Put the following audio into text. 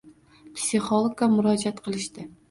psixologga murojaat qilishdi.